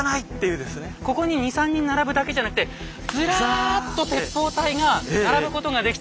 ここに２３人並ぶだけじゃなくてずらっと鉄砲隊が並ぶことができた。